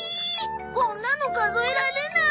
こんなの数えられない。